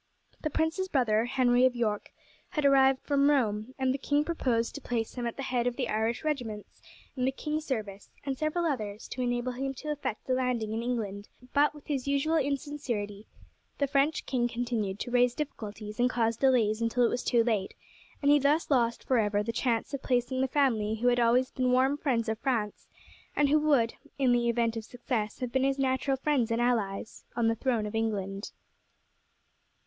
The prince's brother, Henry of York, had arrived from Rome, and the king proposed to place him at the head of the Irish regiments in the king's service and several others to enable him to effect a landing in England; but with his usual insincerity the French king continued to raise difficulties and cause delays until it was too late, and he thus lost for ever the chance of placing the family who had always been warm friends of France, and who would in the event of success have been his natural friends and allies, on the throne of England.